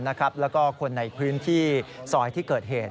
แล้วก็คนในพื้นที่ซอยที่เกิดเหตุ